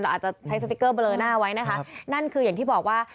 อาจจะใช้สติ๊กเกอร์เบลอหน้าไว้นะคะนั่นคืออย่างที่บอกว่า